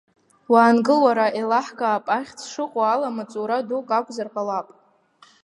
Уаангыл уара, еилаҳкаап, ахьӡ шыҟоу ала маҵура дук акәзар ҟалап.